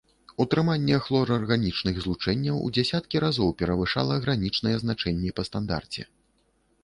Утрыманне хлорарганічных злучэнняў у дзясяткі разоў перавышала гранічныя значэнні па стандарце.